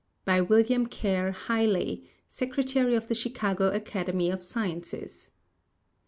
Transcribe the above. WILLIAM KERR HIGLEY, Secretary of The Chicago Academy of Sciences.